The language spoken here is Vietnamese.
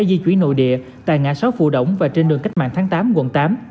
di chuyển nội địa tại ngã sáu phù động và trên đường cách mạng tháng tám quận tám